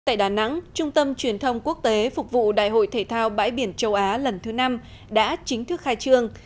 tại đà nẵng trung tâm truyền thông quốc tế phục vụ đại hội thể thao bãi biển châu á lần thứ năm đã chính thức khai trương